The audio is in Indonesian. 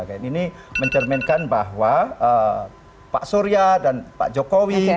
ini mencerminkan bahwa pak surya dan pak jokowi